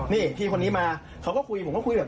นี่พี่คนนี้มาเขาก็คุยผมก็คุยแบบ